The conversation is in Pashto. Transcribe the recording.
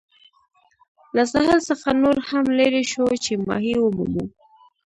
له ساحل څخه نور هم لیري شوو چې ماهي ومومو.